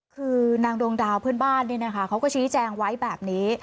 คือนางดวงดาวเพื่อนบ้านตัดแจ้งแบบนี้